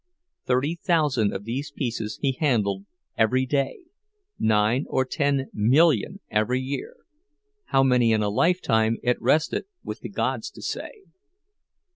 Thirty thousand of these pieces he handled every day, nine or ten million every year—how many in a lifetime it rested with the gods to say.